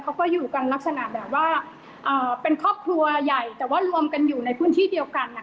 เขาก็อยู่กันลักษณะแบบว่าเป็นครอบครัวใหญ่แต่ว่ารวมกันอยู่ในพื้นที่เดียวกัน